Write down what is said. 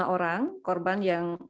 lima orang korban yang